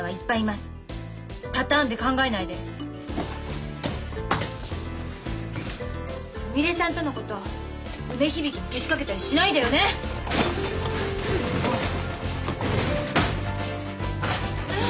すみれさんとのこと梅響にけしかけたりしないでよね！もうっ。